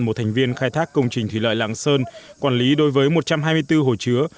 một thành viên khai thác công trình thủy lợi lạng sơn quản lý đối với một trăm hai mươi bốn hồ chứa